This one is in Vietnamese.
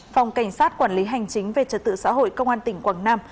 phòng cảnh sát quản lý hành chính về trật tự xã hội công an tỉnh quảng nam